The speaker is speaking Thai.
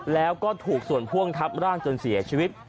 แล้วก็ถูกส่วนพ่วงทับร่างจนเสียชีวิต